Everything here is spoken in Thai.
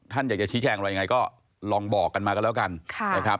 ท่านอยากจะชี้แจงอะไรยังไงก็ลองบอกกันมาก็แล้วกันนะครับ